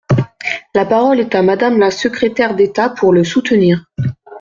La parole est à Madame la secrétaire d’État pour le soutenir.